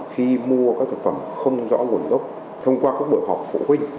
khi mua các thực phẩm không rõ nguồn gốc thông qua các buổi học phụ huynh